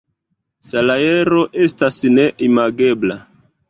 Salajro estas neimagebla.